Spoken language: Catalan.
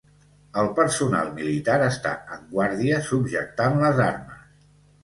El personal militar està en guàrdia subjectant les armes.